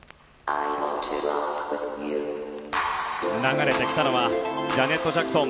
流れてきたのはジャネット・ジャクソン。